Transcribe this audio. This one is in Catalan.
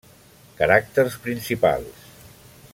Caràcters principals.